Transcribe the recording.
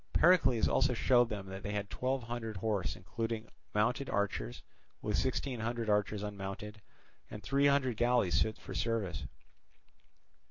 Pericles also showed them that they had twelve hundred horse including mounted archers, with sixteen hundred archers unmounted, and three hundred galleys fit for service.